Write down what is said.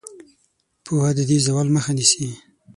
پوهه د دې زوال مخه نیسي.